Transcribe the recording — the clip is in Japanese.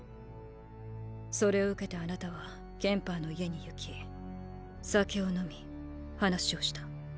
それを受けてあなたはケンパーの家に行き酒を飲み話をした。